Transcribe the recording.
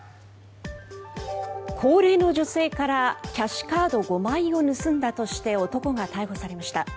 高齢の女性からキャッシュカード５枚を盗んだとして男が逮捕されました。